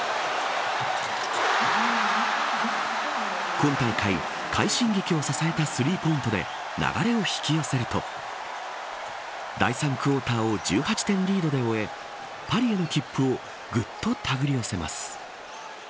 今大会、快進撃を支えたスリーポイントで流れを引き寄せると第３クオーターを１８点リードで終えパリへの切符をぐっとたぐり寄せます。